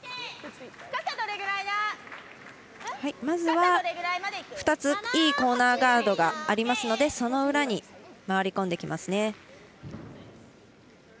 まずは２ついいコーナーガードがありますのでその裏に回り込んできますね。